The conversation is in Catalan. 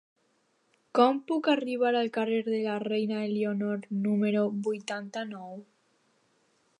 Com puc arribar al carrer de la Reina Elionor número vuitanta-nou?